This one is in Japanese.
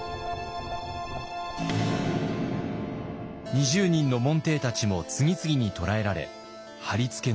２０人の門弟たちも次々に捕らえられ磔の刑に。